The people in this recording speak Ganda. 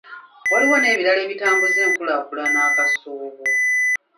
Waliwo n’ebirala ebitambuza enkulaakulana akasoobo.